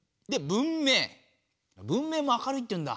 「文明」も明るいっていうんだ。